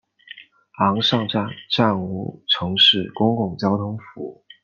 昂尚站暂无城市公共交通服务。